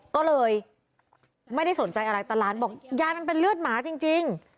ก็เลยไม่ได้สนใจอะไรแต่หลานบอกยายมันเป็นเลือดหมาจริง